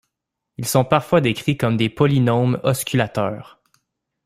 Ils sont parfois décrits comme des polynômes osculateurs.